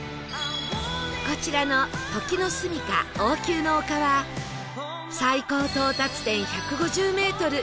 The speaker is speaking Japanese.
こちらの時之栖王宮の丘は最高到達点１５０メートル